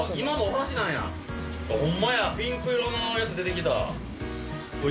ほんまや、ピンク色のやつ出てきた。